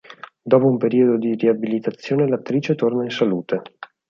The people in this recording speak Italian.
Dopo un periodo di riabilitazione l'attrice torna in salute.